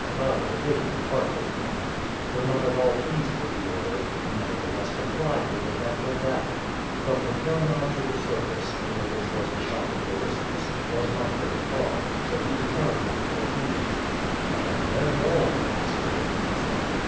Chilo hated to part with money. Though not at all pleased with the order, he nevertheless complied with it and went out. From the Carinae to the Circus, near which was the shop of Euritius, was not very far, so he returned before even ing. "I have learned all the passwords, master.